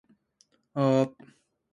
この客はよく柿食う客だ